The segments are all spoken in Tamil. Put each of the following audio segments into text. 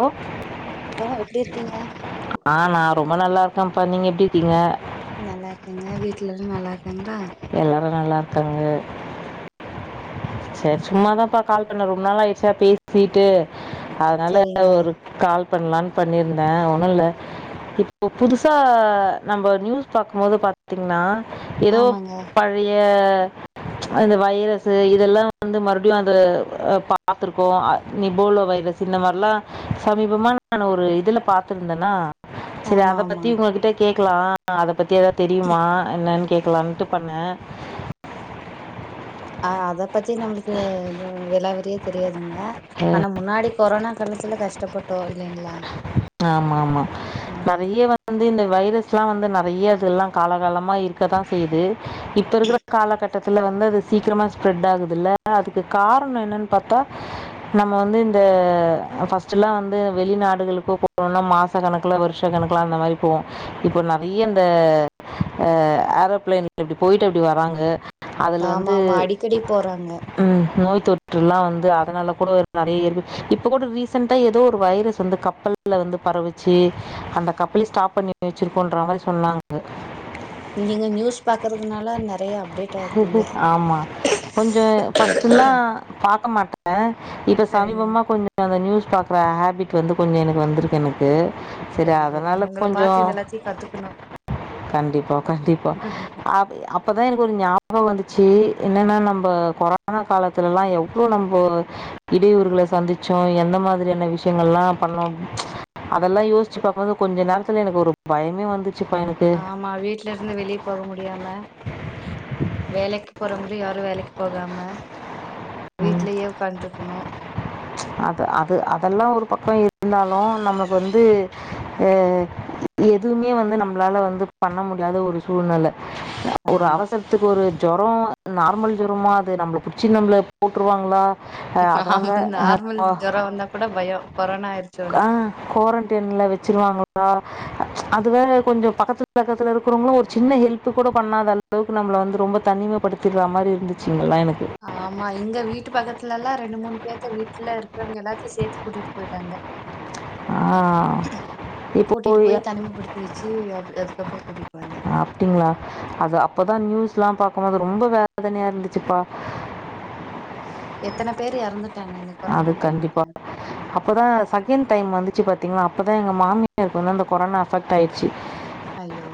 ஹலோ ஹலோ எப்டி இருக்கீங்க ஆ நான ரொம்ப நல்லா இருக் கம்பா நீங்க எப்டி இருக்கீங்க நல்லா இருக்கங்க வீட்லாம் நல்லா இருக் எல்லாரும் நல்லா இரு க்காங்க செரி சும்ம த பா கால் பண்ண ரொம்ப நாள் ஆயிடுச்சா பேசிட்டு அதனால சரிங்க ஒரு கால் பண்ணலாம்னு பண்ணிருந்தேன் ஒண்ணும் இல்ல இப்போ புதுசா நம்ம நியூஸ் பாக்கும்போது பாத்தீங்கன்னா ஏதோ ஆமாங்க பழைய [inaudible] அந்த வைரஸ் இதெல்லாம் வந்து மறுபடியும் அது பாத்தருக்கோம் நிபோலோ வைரஸ் இந்த மாரிலாம் சமீபமா நான ஒரு இதுல பாத்திருந்தேன்னா செரி ஆமா அத ஆமா பத்தி உங்ககிட்ட கே க்கலாம் அத பத்தி ஏதா தெரியுமா என்னன்னு கேக்கலான்ட்டு பண்ணனேன் ஆ அத பத்தி நம்மளுக்கு விலா வரிய தெரியாது ங்க ஆனா முன்னாடி கொரோனா கலத்துல கஷ்டப்பட்டோம் இல்லங்களா ஆமா ஆமா நெறைய வந்து இந்த வைரஸ்லாம் வந்து நெறைய அதெல்லாம் காலகாலமாக இருக்க தான் செய்யுது இப்ப இருக்கிற காலகட்டம் கட்டத்துல வந்து சீக்கிரமா ஸ்பிரட் ஆகுதுல அதுக்கான காரணம் என்னன்னு பாத்தா நம்ம வந்து இந்த ஃபர்ஸ்ட் எல்லாம் இந்த வெளிநாடுகள் இப்போ போனோனா மாச கணக்கில் வருஷ கணக்கலாம் அந்த மாரி போவோம் இப்போ நெறைய இந்த ஏரோப்ளைன்ல இப்டி போயிட்டு அப்டி வராங்க அதுல ஆமா வந்து ஆமா அடிக்கடி போறாங்க ம் நோய தொற்றுல்லாம் வந்து அதனால கூட நெறைய இருக்கு இப்ப கூட ரீசன் ஏதோ ஒரு வைரஸ் வந்து கப்பல் ல வந்து பரவிச்சு அந்த கப்பல ஸ்டாப் பண்ணி வச்சிருக்கோன்ற மாரி சொன்னாங்க நீங்க நியூஸ் பாக்குறதுனால நெறைய அப்டேடா இருக்கீங்க ஆமா. ஆ இப்ப சரிங்க சமீபம்மா கொஞ்சம் அந்த நியூஸ் பாக்கற ஹேபிட் வந்து கொஞ்சம் எனக்கு வந்திருக்கு எனக்கு செரி சரி சரிங்க அதனால உங்கள பாத்து கொஞ்சம் இது எல்லாத்தையு கத்துக்கணு கண்டிப்பா கண்டிப்பா அப்தான் எனக்கு ஒரு ஞாபகம் வந்துச்சு என்னன்னா நம்ம கொரோனா காலத்துலல்லாம் எவ்வளவு நம்ம இடையூர்களை சந்திச்சோம் எந்த மாரியான விஷயங்கள் எல்லாம் பண்ணோம் அதெல்லாம் யோசிச்சு பாக்கும் போது கொஞ்ச நேரல எனக்கு ஒரு பயமே வந்து ஆமா வீட்டுல இருந்து வெளியே போக முடியாம வேலைக்கு போற யாரும் வேலக்கு போகாம ம். வீட்லயே உட்கான் இருக்கணும் அது அது அதெல்லாம் ஒரு பக்கம் இருந்தாலும் நமக்கு வந்து எதுவுமே வந்து நம்மலால வந்து பண்ண முடியாத ஒரு சூழ்நிலை ஒரு ஆமா அவசரத்துக்கு ஒரு ஜேரம் நார்மல் ஜேரமா அது நம்மளை புடிச்சி நம்மள போட்டுருவாங்களா ஆஹ அதனால ஆமா நார்மல் ஓ ஜொரம் வந்தா கூட பயம் கொரோனா ஆயிருச்சோன்னு ஆஹ குவாரண்டு டைம்ல வச்சினுவாங்கள அதுவேற கொஞ்சம் பக்கத்து பக்கத்துல இருக்கிறவங்களும் ஒரு சின்ன ஹெல்ப் கூட பண்ணாத அளவுக்கு நம்மள வந்து ரொம்ப தனிமபடுத்திடுற மாரி இருந்துச்சு இங்கல்லாம் எனக்கு ஆமா இங்க வீட்டு பக்கத்துல எல்லாம் ரெண்டு ரெண்டு மூணு பேத்த வீட்டுல இருக்கிறவங்க எல்லாத்தையும் சேர்த்து கூட்டிட்டு போயிட்டாங்க ஆ இப்போ கூட்டிட்டு போய் தனிமைப்படுத்தி வச்சு அப் அதுக்கப்புறம் கூட்டிட்டு வந்தாங்க அப்டிங்கிளா அது அப்தான் நியூஸ் எல்லாம் போனது ரொம்ப வேதனையா இருந்துச்சுப்பா எத்தனை பேர் இறந்துட்டு அது கண்டிப்பா அப்பதான் செகன்ட் டைம் வந்துச்சு பாத்தீங்கன்னா அப்தான் எங்க மாமியாருக்கு வந்து அந்த கொரோனா அபெக்ட் ஆயிருச்சு ஐயோ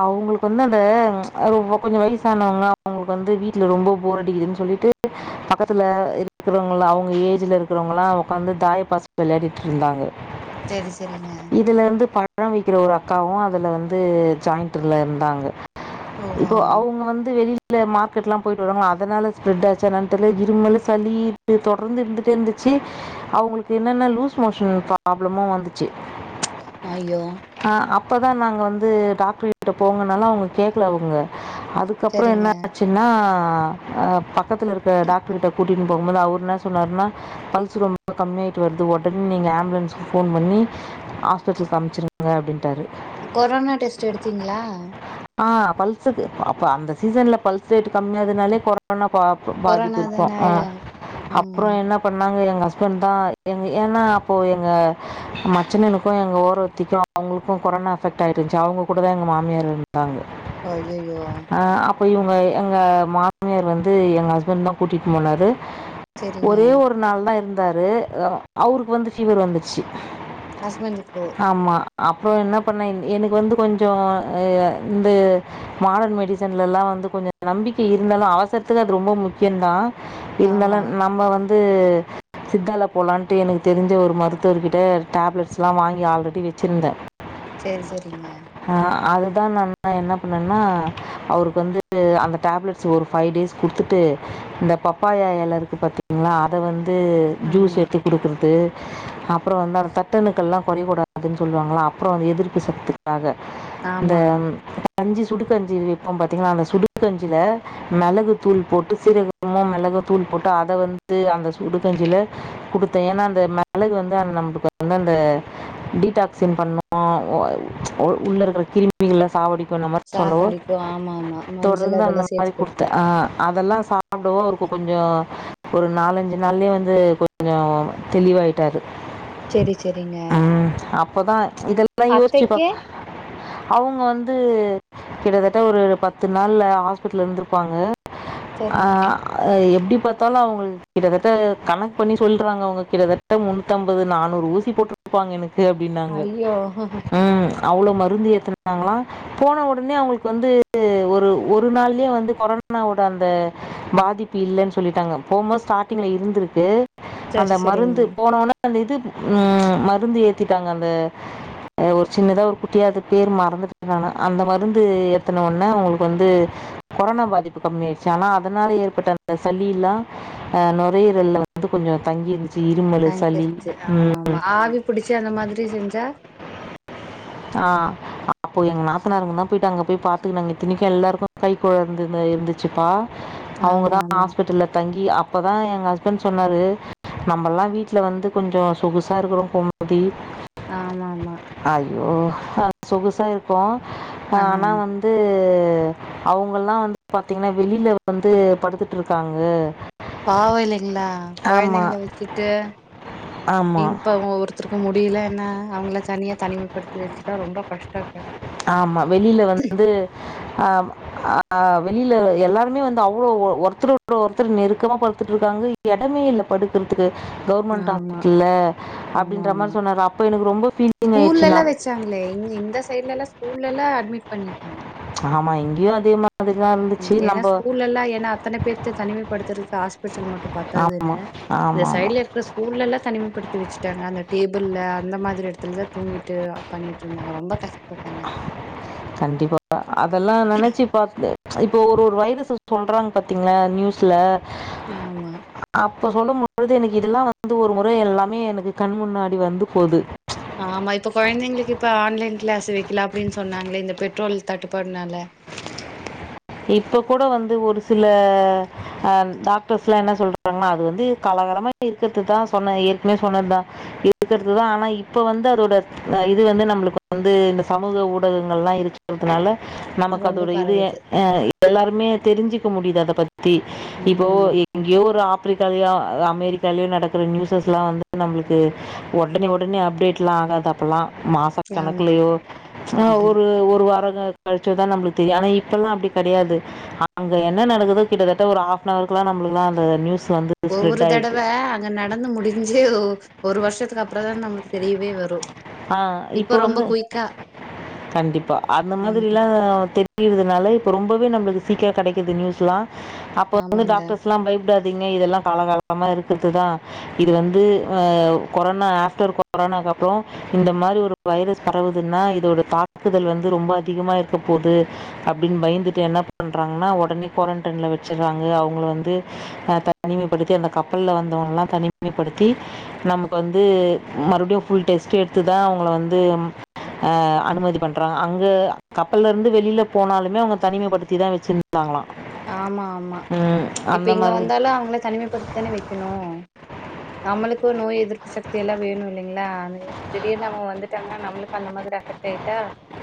அவங்களுக்கு வந்து அந்த கொஞ்சம் வயசானவங்க அவங்களுக்கு வந்து வீட்டுல ரொம்ப போரடிக்குதுன்னு சொல்லிட்டு பக்கத்துல இருக்கிறவங்க அவங்க ஏஜ்ல இருக்கிறவங்க எல்லாம் உக்காந்து தாய பாஸ் விளையாடிட்டு இருந்தாங்க செரி செரிங்க இதுலேருந்து பழம் விக்கிற ஒரு அக்காவும் அதுல வந்து ஜாயி்ண்ட்ல இருந்தாங்க ஓ இப்போ அவுங்க வந்து வெளில மார்க்கெட்லாம் போயிட்டு வராங்க அதனால ஸ்ப்ரெட் ஆச்சு ஆ இருமல சளி தொடர்ந்து இருந்துட்டே இருந்துச்சு அவங்களுக்கு என்னநா லூஸ் மோஷன் பிராப்ளமும் வந்துச்சு ஐயோ இப்பதான் நாங்க வந்து டாக்ட ரிட்ட போங்கனால அவுங்க கேட்கல அவுங்க அதுக்கப்பறம் செரிங்க என்ன ஆச்சுன்னா பக்கத்தில் இருக்க டாக்டரு கிட்ட கூட்டிகினு போகும்போது அவர் என்ன சொன்னார்னா பல்ஸ் ரொம்ப கம்மியாய்ட்டு வருது உடனே நீங்கள் ஆம்புலன்ஸ்கு ஃபோன் பண்ணி ஹாஸ்பிட்டலுக்கு அமுச்சுருங்க அப்டின்டாரு கொரோனா டெஸ்ட் எடுத்தீங்களா ஆஹ பல்ஸிக்கு அ அந்த சீசன்ல பல்ஸ் ரேட் கம்மியாதுனாலே கொரோனா பாதிப்பு கொரோனா தான இருக்கும் அப்புறம் ம் என்ன பண்ணாங்க எங்க ஹஸ்பண்ட் தான் எ ஏன்னா அப்போது எங்கள் மச்சுனனுக்கும் எங்க ஓரவத்திக்கும் அவங்களுக்கும் கொரோனா அஃபெக்ட் ஆகிருந்துச்சு அவங்க கூடதான் எங்க மாமியார் தாங்க ஐயையோ ஹ போய்வ்ங்க எங்க மாமியார் வந்து எங்க ஹஸ்பண்ட் தான் கூட்டிகிட்டு போனாரு செரிங்க ஒரே ஒரு நாள் தான் இருந் வந்தரு அவருக்கு வந்து ஃபீவர் வந்துச்சு ஹஸ்பண்ட்க்கோ அப்புறம் என்ன பண்ண எனக்கு வந்து கொஞ்சம் கொஞ்சம் இந்த மாடர்ன் மெடிசன்லலாம் வந்து கொஞ்சம் நம்பிக்கை இருந்தாலும் அவசரத்துக்கு அது ரொம்ப முக்கியம்தான் ஆமா இருந்தாலும் நம்ம வந்து வந்து சித்தல போலான்ட்டு எனக்கு தெரிஞ்ச ஒரு மருத்துவர்கிட்ட டேப்லெட்ஸ்லாம் வாங்கி ஆல்ரெடி வச்சிருந்தேன் சேரி சேரி ஆஹ் அ அதான் நான்நான் என்ன பண்ணேன்னா அவருக்கு வந்து அந்த டேப்லெட்ஸ் ஒரு ஃபைவ் டேஸ் கொடுத்துட்டு இந்த பப்பாயா இல இருக்கு பார்த்தீங்களன்னா அத வந் ந்து ஜூஸ் ஆமா எடுத்து கொடுக்குறது அப்புறம் வந்து அந்த தட்டணுக்கள் எல்லாம் குறையக்கூடாதுன்னு சொல்லுவாங்கள அப்புறம் வந்து எதிர்ப்பு சத்து ஆகா இந்த ஆமா கஞ்சி சுடுகஞ்சி வைப்போம் பார்த்தீங்கன்னா அந்த சுடுடுகஞ்சியில மிளகு தூள் போட்டு சீரகமோ மிளகு தூள் போட்டு அத வந்து அந்த சுடுடுகஞ்சியில கொடுத்தேன் ஏன்னா அந்த மிளகு வந்து அந்த என்ன நம்மளுக்கு வந்து அந்த டீடாக்சின் பண்ணோம் உள்ள இருக்கிற கிருமிகள சாவடி இப்ப நம்ம சொல்லவோ சாக்கடிக்கு ஆமா ஆமா மஞ்சள் தொடர்ந்து அந்த அதெல்லா சேத்து மாரி குடுத்தா கொடுத்தேன் ஆ அதெல்லாம் சாப்பிடவும் அவருக்கு கொஞ்சம் ஒரு நாலஞ்சு நாள்லயே வந்து கொஞ்சம் தெளிவாயிட்டாரு சரி சரிங்க இப்பதான் இதல்லாம் இவரு ப்பா அவங்க வந்து கிட்டத்தட்ட ஒரு பத்து நாள்ல ஹாஸ்பிடல் இருந்திருப்பாங்க செரிங்க ஆஹ் எப்டி பார்த்தாலும் அவங்க கிட்டத்தட்ட கணக்கு பண்ணி சொல்லறாங்க அவங்க கிட்டத்தட்ட முன்னூத்தி அம்பது நானூறு ஊசி போட்டுிருப்பாங்க எனக்கு அப்படின்னாங்க ஐயோ ம் அவ்வளோ மருந்து ஏத்துனாங்களாம் போன உடனே அவங்களுக்கு வந்து ஒரு ஒரு நாள்லயே வந்து கொரோனாவோட அந்த பாதிப்பு இல்லன்னு சொல்லிட்டாங்க போகும்போது ஸ்டார்ட்டிங்ல இருந்திருக்கு அந்த செரி செரிங்க மருந்து போனோனா அந்த இது உம் மருந்து ஏத்திட்டாங்க அந்த ஒரு சின்னதாக ஒரு குட்டியாவது பேர் மறந்துட்டு நானு அந்த மருந்து எத்தன உடனே அவங்களுக்கு வந்து கொரோனா பாதிப்பு கம்மிய ஆயிடுச்சு ஆனா அதனால ஏற்பட்ட அந்த சளி எல்லாம் அஹ் நுரையீரல்ல வந்து கொஞ்சம் தங்கிிருந்துச்ச தய்சிருச்சு ஆமா ஆமா ஆவி புடிச்சு அந்த மாதிரி செஞ்சா ஆஹ் அப்போ எங்க நாதனாருங்க தான் போயிட்டு அங்க போய் பாத்துக்க நாங்க இத்திணிக்கும் எல்லாருக்கும் கைக்குழந்த இருந்துச்சுப்பா அவங்க ஆமா தான் ஆமா ஹாஸ்பிட்டல் தங்கி அப்பதான் எங்க ஹஸ்பண்ட் சொன்னாரு நம்மல்லாம் வீட்டுல வந்து கொஞ்சம் சொகுசா இருக்கிறோம் கோமதி ஆமா ஆமா ஐயோ சொகுசாஇருப்போம் ஆ ஆஹ் ஆனா வந்து அவங்கல்லாம் வந்து பாத்தீங்கன்னா வெளியில வந்து படுத்துட்டு இருக்காங்க பாவ இல்லைங்களா குழந்தைங்க ஆமாம் வச்சுட்டு இ ஆமாம் இப்ப ஒ ஒவருத்தருக்கும் முடியல என்ன அவங்கள தனியா தனிமைப்படுத்தி வச்சுட்டா ரொம்ப கஷ்டம் ஆமா வெளியில வந்து அஹ் வெளியில எல்லாருமே வந்து அவ்வளோ ஒருத்தர் ஒருத்தர் நெருக்கமாக படுத்துட்டுருக்காங்க இடமேயில்ல படுக்கறதுக்கு கவுர்மெண்ட் ஆமா ஹாஸ்பிட்டல் ஆமா அப்படின்ற ஆமா மாதிரி சொன்னா அப்ப எனக்கு ரொம்ப பீலிங் ஆயிடுச்சு நா இங்கஎல்லாம் ஸ்கூல்ல அட்மிட் பண்ணிட்டாங்க ஆமா எங்கேயோ அந் ம் ஏன்னா ஸ்கூல்ல எல்லாம் ஏன்னா அத்தனை பேத்த தனிமைப்படுத்துறது காஸ் ல் மட்டும் ஆமா, பத்தாதுன்னு இந்த ஆமாமா. சைடுல இருக்கிற ஸ்கூல்ல எல்லாம் தனிமைப்படுத்தி மாத்தி வச்சிட்டாங்க அந்த டேபிள் அந்த மாதிரி இடத்துல தான் தூங்கிட்டு பண்ணிட்டு இருந்தாங்க ரொம்ப கஷ் கண்டிப்பா அதெல்லாம் நெனைச்சு ப்பாத்து இப்போ ஒரு ஒரு வைரஸ் சொல்றாங்க பாத்தீங்களா நியூஸ்ல ஆமா இப்போ சொல்லும்போழுது எனக்கு இதெல்லாம் வந்து ஒரு முறை எல்லாமே எனக்கு கண் முன்னாடி வந்து போது ஆமா இப்ப கொழந்தைங்களுக்கு இப்ப ஆன்லைன் கிளாஸ் வைக்கலாம் அப்படின்னு சொன்னாங்களே இந்த பெட்ரோல் தட்டுப்பாடுனால இப்ப கூட வந்து ஒரு சில அஹ் டாக்டர்ஸ் எல்லாம் என்ன சொல்றாங்கன்னா அது வந்து காலகாலமா இருக்கிறதுதான் சொன்ன ஏற்கனே சொன்னதுதான் இருக்கிறதுதான் ஆனா இப்ப வந்து அதோட இது வந்து நம்மளுக்கு வந்து இந்த சமூக ஊடகங்களாம் இருக்கிறதுனால நமக்கு ரொம்ப அதோட இதுயே பரவுது எல்லாருமே தெரிஞ்சிக்க முடியுது அதை பத்தி பத்தி இப்போ ம் எங்கேயோ ஒரு ஆப் ஆப்பப்ரிக்காலேயோ அமெரிக்காலிலேயோ நடக்கிற நியூஸஸ்லாம் வந்து நம்மளுக்கு உடனே உடனே அப்டேட்லாம் ஆகாது அப்போலாம் மாச ஆமா கணக்குலயோ ஆஹ ஆமா ஒரு ஒரு வார ரொம்ப நாள் கழிச்சு தான் நம்மளுக்கு தெரியும் ஆனா இப் இப்பெல்லாம் அப்படி கிடையாது அங்க என்ன நடக்குதோ கிட்டத்தட்ட ஒரு ஆப் நவருக்கலாம் நம்மளுக்குலாம் அந்த நியூஸ் வந்து ஸ்ப்ரெட் ஒவ்வொரு ஆகிடுது தடவை அங்க நடந்து முடிஞ்சு ஒரு வருஷத் அதுக்கு அப்புறம் தான் நம்மளுக்கு தெரியவே வரும் ஆஹ் இப்ப வந்து கண்டிப்பா அந்த ம் மாதிரில்லாம் தெரி யிறதுனால இப்ப ரொம்பவே நம்மளுக்கு சீக்கிரோ கெடைக்குது நியூஸ்லா அப்ப வந்து ஆமாங்க டாக்டர்ஸ்லா பயப்படாது இதெல்லாம் காலகலமா இருக்கிறது தான் இது வந்து கொரோனா ஆப்டர் கொரோனாக்கு அப்பறம் இந்த மாரி ஒரு வைரஸ் பரவுதுன்னா இதோட தாக்குதல் வந்து ரொம்ப அதிகமாக இருக்க போகுது அப்டின்னு பயந்துட்டு என்ன பண்ணுறாங்கன்னா உடனே குவாரன்டைனில் வச்சுடுறாங்க அவங்கள வந்து தனிமைப்படுத்தி அந்த கப்பலில் வந்தவங்களலாம் தனிமைப்படுத்தி நமக்கு வந்து மறுபடியும் ஃபுல் டெஸ்ட்ட் எடுத்து தான் அவங்கள வந்து அனுமதி பண்றாங்க அங்க கப்பல்ல இருந்து வெளியில போனாலுமே அவங்க தனிமைப்படுத்திதா வச்சிருந் ஆமா ஆமா இப்ப அந்த இங்க மாதிரி வந்தாலு அவங்கள தனிமைப்படுத்திதான வைக்கணு நம்மளுக்கு நோய் எதிர்ப்பு சக்தி எல்லா வேணு இல்லைங்களா [inaudible] திடீர்னு அவுங்க வந்துட்டாங்கன்னா நம்மளுக்கு அந்த மாதிரி அஃபெக்ட் ஆயிட்டா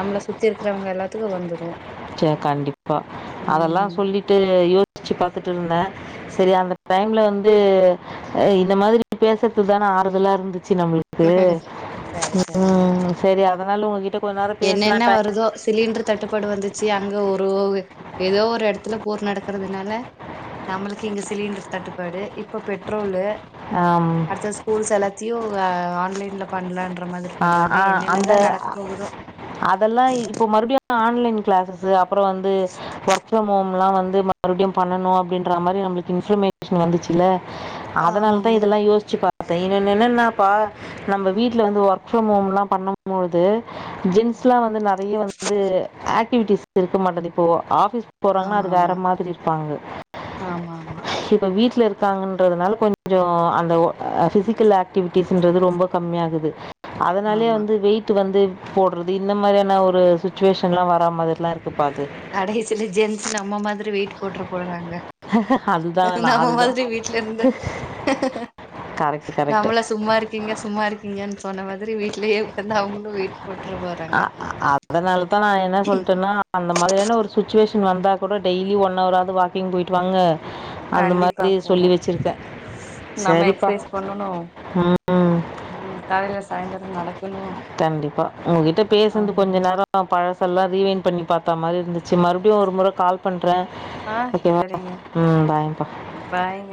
நம்மள சுத்தி இருக்கிறவங்க எல்லாத்துக்கு வந்துரு ச கண்டிப்பா அதெல்லாம் ம் சொல்லிட்டு ட்டு யோசிச்சு பாத்துட்டு இருந்தே சரி அந்த டைம்ல வந்து அ இந்த மாதிரி பேசுறதுதான ஆறுதலா இருந்து ச்சு நம்மளுக்கு சரி சரிங்க உம் சரி அடுத் இதனால உங்கிட்ட என்னென்ன வருதோ சிலிண்டர் தட்டுப்பாடு வந்துச்சு த்தி அங்க ஒரு ஏதோ ஒரு எடத்துல போர் நடக்கறதுனால நம்மளுக்கு இங்க சிலிண்டர் தட்டுப்பாடு இப்ப பெட்ரோலு டைம் அடுத்த ஸ்கூல்ஸ் எல்லாத்தையு ஆ ஆன்லைன்ல பண்லாண்ட்டு ந்த மாதிரி ஆ பண்றாங்க ஆ அந்த என்னென்னதா நடக்கப் போகுதோ அதெல்லா இப்ப மறுபடியு ஆன்லைன் கிளாஸஸு அப்றோ வந்து ஒர்க் ஃப்ரம் ஹோம் எல்லா வந்து மறுபடியும் பண்ணனு அப்டின்ற மாரி நம்மளுக்கு இன்ஃபர்மேஷன் வந்துச்சுல்ல அதனால தான் ஆமாங்க இதெல்லாம் யோசிச்சு பா ப்ப இன்னொன்னு என்னன்னாப்பா நம்ம வீட்ல வந்து ஒர்க் ஓர்க் ஃரம் ஹோம் எல்லாம் பண்ணும்பது ஜின்ஸ் எல்லாம் வந்து நெறைய வந்து ஆக்டிவிட்டிஸ் இருக்க மாட்டது இப்போ ஆபிஸ் போறாங்கன்னா ஆமா அது வேற ஆமா மாதிரி இருப்பாங்க ஆமா ஆமா இப்ப வீட் இருக்காங்கன்றதுனால ரெஸ்ட் ரெஸ்ட் கொஞ்சம் அந்த பிசிக்கல் ஆக்டிவிட்டிஸ்ன்றது ரொம்ப கம்மிய ஆகுது அதனாலயே ஆமா வந்து வெயிட் வந்து போடுறது இந்த மாரியான ஒரு சுச்சுவேஷன் எல்லாம் வரா மாரில்லாம் இருக்கு கடைசில ஜென்ஸ் நம்ம மாதிரி வெயிட் போட்ற போறாங்க அதுதா நா நம்ம அதுதா மாதிரி வீட்ல இருந்து கரெக்ட் கரெக்ட். நம்மள சும்மா இருக்கீங்க சும்மா இருக்கீங்கன்னு சொன்ன மாரி மாதிரி வீட்லயே உக்காந்து அவங்களு வெய்ட் போட்ற போறாங்க அ அதனால தா நா என்ன சொல்ட்டேன்னா அந்த மாரியான ஒரு சுட்சுவேஷன் வந்தா கூட டெய்லி ஒன் அவராது வாக்கிங் போயிட்டு வாங்க அந்த கண்டிப்பா மாதிரி சொல்லி போணு வச்சிருக்கே நம்ம சரிப்பா எக்சசைஸ் உம் காலையில் சாயந்திரம் நட கண்டிப்பா உங்ககிட்ட பேசுனது கொஞ்ச ஆமாங்க நேரோ பழ செல்லா ரீவைன் பண்ணி பாத்தா மாரி இருந்துச் ச்சு மறுபடியு ஒரு முறை கால் பண்றே ஆ ஓகேவா செரிங்க உம் பாய்ப்பா பாய்ங்க